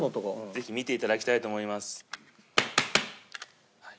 ぜひ見ていただきたいと思います。